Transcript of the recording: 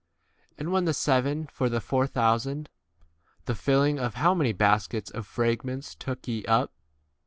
And when the seven for the four thousand, the filling of how many baskets of fragments took ye up